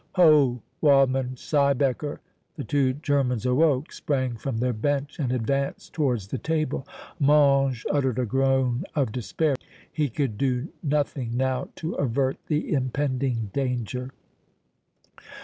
Ho, Waldmann Siebecker!" The two Germans awoke, sprang from their bench and advanced towards the table. Mange uttered a groan of despair. He could do nothing now to avert the impending danger.